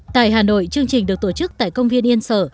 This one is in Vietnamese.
tại hà nội chương trình được tổ chức tại công viên yên sở